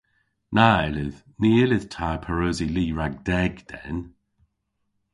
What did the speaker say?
Na yllydh. Ny yllydh ta pareusi li rag deg den.